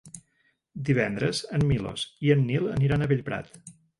Divendres en Milos i en Nil aniran a Bellprat.